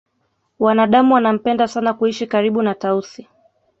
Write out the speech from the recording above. wanadamu wanampenda sana kuishi karibu na tausi